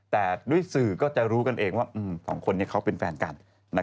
แต่ด้วยสื่อก็จะรู้กันเองว่าสองคนนี้เขาเป็นแฟนกัน